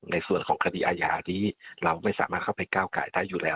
ในส่วนของคดีอาญานี้เราไม่สามารถเข้าไปก้าวไก่ได้อยู่แล้ว